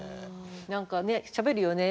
何かねしゃべるよね。